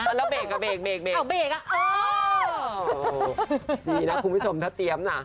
โอ้โฮดีนะคุณพิศมถ้าเตรียมน่ะ